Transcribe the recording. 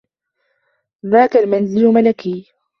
ذاك المنزل ملكي.